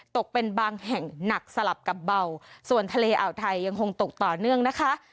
ตกเป็นบางแห่งหนักสลับกับเบาส่วนทะเลอ่าวไทยยังคงตกต่อเนื่องนะคะ